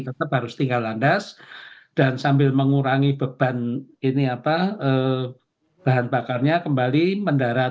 tetap harus tinggal landas dan sambil mengurangi beban ini apa bahan bakarnya kembali mendarat